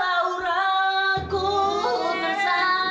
laha laura ku lu tersayang